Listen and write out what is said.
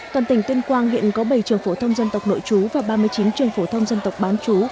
toàn tỉnh tuyên quang hiện có bảy trường phổ thông dân tộc nội chú và ba mươi chín trường phổ thông dân tộc bán chú